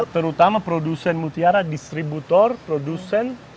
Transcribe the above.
terutama produsen mutiara distributor produsen